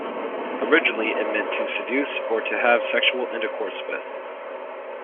Originally, it meant "to seduce" or "to have sexual intercourse with".